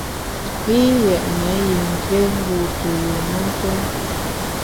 Yi yétne yi mvé ngu tuyùn mentèn.